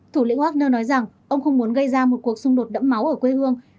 thủ lĩnh wagner nói rằng ông không muốn gây ra một cuộc xung đột đẫm máu ở quê hương